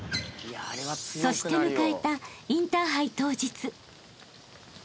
［そして迎えたインターハイ当日］